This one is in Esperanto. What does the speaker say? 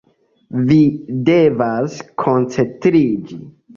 Vi devas koncentriĝi.